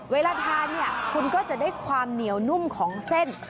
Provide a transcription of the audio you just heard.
เวลาทานเนี่ยคุณก็จะได้ความเหนียวนุ่มของเส้น